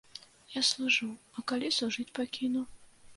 Я служу, а калі служыць пакіну?